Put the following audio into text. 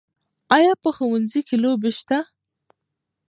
آیا په ښوونځي کې لوبې سته؟